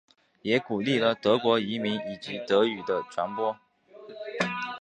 也鼓励了德国移民以及德语的传播。